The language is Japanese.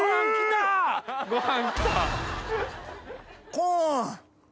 コーン！